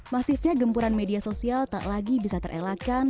masifnya gempuran media sosial tak lagi bisa terelakkan